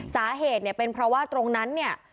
สาเหตุเนี่ยเป็นเพราะว่าตรงนั้นเนี่ย